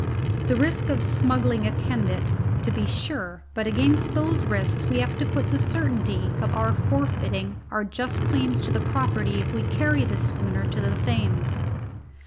The risk of smuggling attend it, to be sure; but against those risks we have to put the certainty of our forfeiting our just claims to the property if we carry the schooner to the Thames.